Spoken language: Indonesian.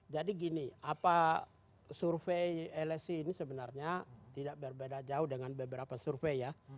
jadi gini apa survei lsi ini sebenarnya tidak berbeda jauh dengan beberapa survei ya